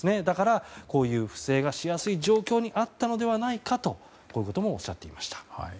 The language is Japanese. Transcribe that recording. だから、こういう不正がしやすい状況にあったのではないかとこういうこともおっしゃっていました。